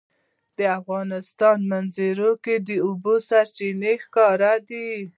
د افغانستان په منظره کې د اوبو سرچینې ښکاره ده.